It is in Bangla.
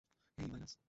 হেই, মাইনাস!